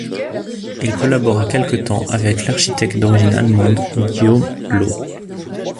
Il collabora quelque temps avec l'architecte d'origine allemande Guillaume Low.